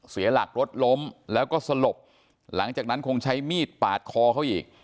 เสียหลักรถล้มแล้วก็สลบหลังจากนั้นคงใช้มีดปาดคอเขาอีก